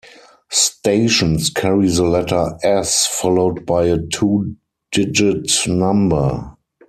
Stations carry the letter "S" followed by a two-digit number.